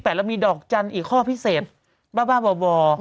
แล้วมีดอกจันทร์อีกครอบที่เพิ่มบ้าบ้าบ่อ